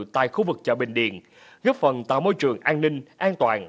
tại khu vực chợ bình điện góp phần tạo môi trường an ninh an toàn